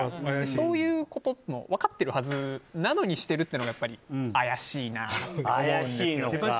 そういうことも分かってるはずなのにしてるっていうのが怪しいなって思うんですよ。